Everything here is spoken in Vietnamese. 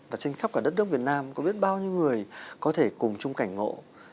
và trên khắp cả đất nước việt nam có biết bao nhiêu người có thể cùng chung cảnh ngộ